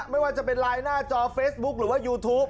ไม่ว่าจะเป็นไลน์หน้าจอเฟซบุ๊คหรือว่ายูทูป